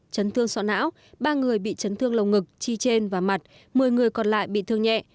chấn thương sọ não ba người bị chấn thương lầu ngực chi trên và mặt một mươi người còn lại bị thương nhẹ